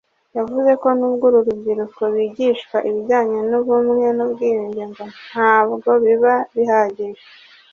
yavuze ko nubwo uru rubyiruko bigishwa ibijyanye n’ubumwe n’ubwiyunge ngo ntabwo biba bihagije